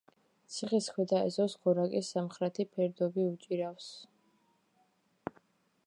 ციხის ქვედა ეზოს გორაკის სამხრეთი ფერდობი უჭირავს.